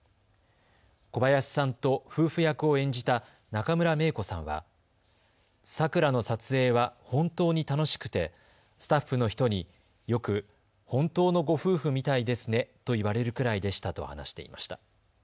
小林さんと夫婦役を演じた中村メイコさんはさくらの撮影は本当に楽しくてスタッフの人によく本当のご夫婦みたいですねと言われるくらいでしたと話していました。